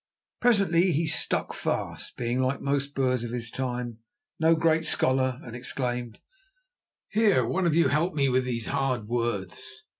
Presently he stuck fast, being, like most Boers of his time, no great scholar, and exclaimed: "Here, one of you help me with these hard words."